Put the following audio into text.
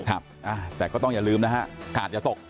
แต่ก็ต้องอย่าลืมนะฮะกาดอย่าตก